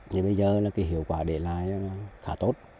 nhưng bây giờ là cái hiệu quả để lại khá tốt